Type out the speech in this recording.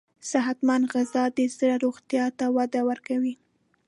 صحتمند غذا د زړه روغتیا ته وده ورکوي.